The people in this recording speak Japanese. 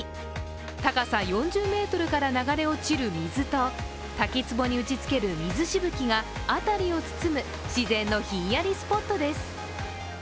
高さ４０ｍから流れ落ちる水と滝つぼに打ちつける水しぶきが辺りを包む自然のひんやりスポットです。